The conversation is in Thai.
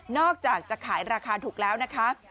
อกจากจะขายราคาถูกแล้วนะคะ